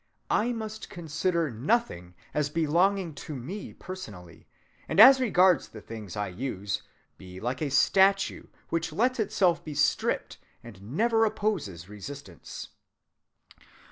I must consider nothing as belonging to me personally, and as regards the things I use, be like a statue which lets itself be stripped and never opposes resistance."